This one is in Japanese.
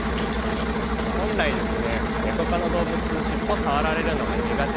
本来ですねネコ科の動物しっぽ触られるのが苦手です。